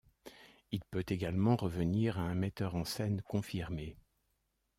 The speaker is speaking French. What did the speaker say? Il peut également revenir à un metteur en scène confirmé.